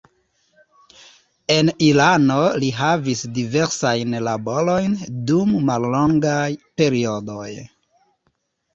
En Irano li havis diversajn laborojn dum mallongaj periodoj.